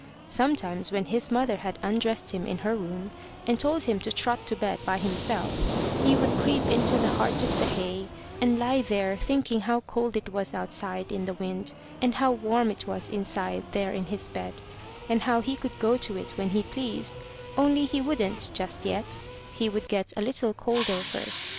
Sometimes, when his mother had undressed him in her room, and told him to trot to bed by himself, he would creep into the heart of the hay, and lie there thinking how cold it was outside in the wind, and how warm it was inside there in his bed, and how he could go to it when he pleased, only he wouldn't just yet; he would get a little colder first.